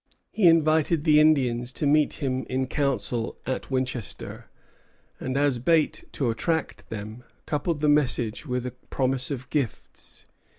He invited the Indians to meet him in council at Winchester, and, as bait to attract them, coupled the message with a promise of gifts.